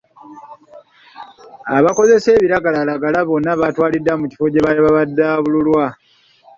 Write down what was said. Abakozesa ebiragalalagala bonna baatwaliddwa mu kifo gye babudaabudirwa.